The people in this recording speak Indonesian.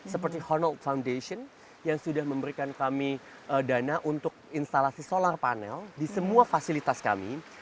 seperti honor foundation yang sudah memberikan kami dana untuk instalasi solar panel di semua fasilitas kami